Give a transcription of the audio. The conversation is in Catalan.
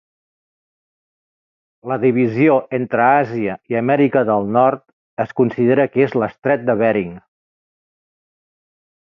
La divisió entre Àsia i Amèrica del Nord es considera que és l'Estret de Bering.